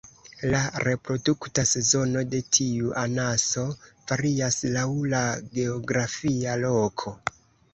La reprodukta sezono de tiu anaso varias laŭ la geografia loko.